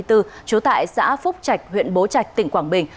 trú tại xã phúc trạch huyện bố trạch tỉnh quảng bình